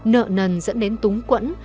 nợ nần dẫn đến túng quẫn